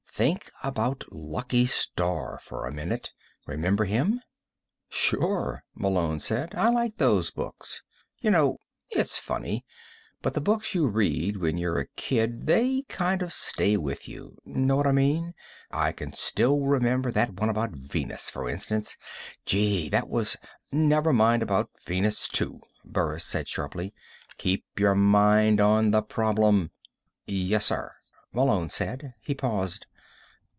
Think about 'Lucky Starr' for a minute. Remember him?" "Sure," Malone said. "I liked those books. You know, it's funny, but the books you read when you're a kid, they kind of stay with you. Know what I mean? I can still remember that one about Venus, for instance. Gee, that was " "Never mind about Venus, too," Burris said sharply. "Keep your mind on the problem." "Yes, sir," Malone said. He paused.